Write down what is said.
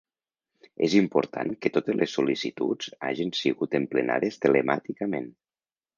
És important que totes les sol·licituds hagen sigut emplenades telemàticament.